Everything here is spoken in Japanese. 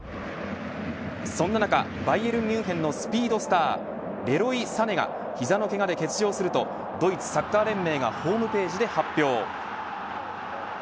そんな中、バイエルン・ミュンヘンのスピードスターレロイ・サネが膝のけがで欠場するとドイツサッカー連盟がホームページで発表。